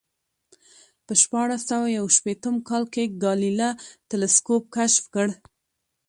په شپاړس سوه یو شپېتم کال کې ګالیله تلسکوپ کشف کړ